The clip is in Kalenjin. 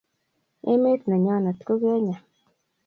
Emet nenyonet ko kenya